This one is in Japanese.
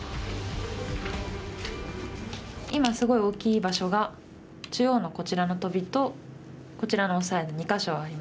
今すごい大きい場所が中央のこちらのトビとこちらのオサエの２か所ありまして。